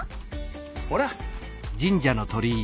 ほら！